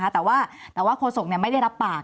แต่ว่าโฆษกไม่ได้รับปาก